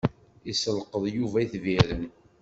Isselqeḍ Yuba itbiren.